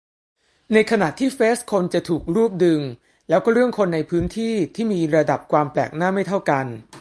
ในขณะที่เฟซคนจะถูกรูปดึง แล้วก็เรื่องคนในพื้นที่ ที่มีระดับความแปลกหน้าไม่เท่ากัน